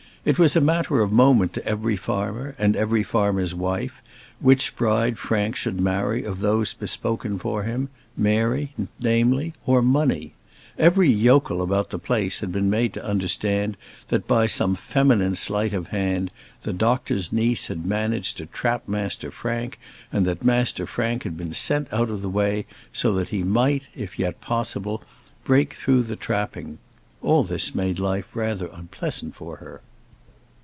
It was a matter of moment to every farmer, and every farmer's wife, which bride Frank should marry of those bespoken for him; Mary, namely, or Money. Every yokel about the place had been made to understand that, by some feminine sleight of hand, the doctor's niece had managed to trap Master Frank, and that Master Frank had been sent out of the way so that he might, if yet possible, break through the trapping. All this made life rather unpleasant for her.